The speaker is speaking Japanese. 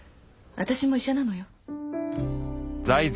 私も医者なのよ。